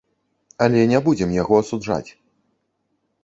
Але не будзем яго асуджаць.